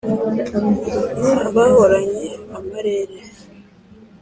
abahoranye amarere